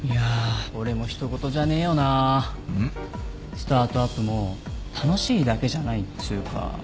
スタートアップも楽しいだけじゃないっつうか。